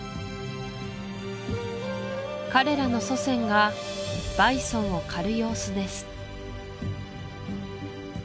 彼らの祖先がバイソンを狩る様子です